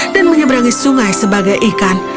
dan menyeberangi sungai sebagai ikan